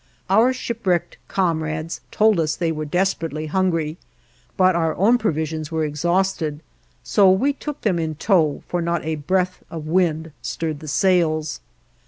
Our shipwrecked comrades told us they were desperately hungry, but our own provisions were exhausted; so we took them in tow, for not a breath of wind stirred the sails.